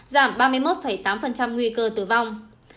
giảm ba mươi một tám nguy cơ tử vong